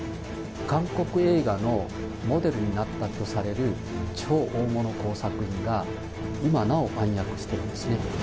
韓国映画のモデルになったとされる、超大物工作員が今なお暗躍しているんですね。